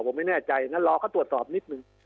ผมไม่แน่ใจงั้นรอเขาตรวจสอบนิดนึง